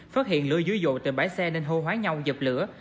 phát hiện lửa dưới dội tại bãi xe nên hô hóa nhau dập lửa